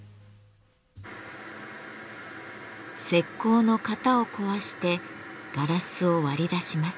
石膏の型を壊してガラスを割り出します。